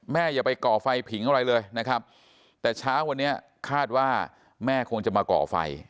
อย่าไปก่อไฟผิงอะไรเลยนะครับแต่เช้าวันนี้คาดว่าแม่คงจะมาก่อไฟ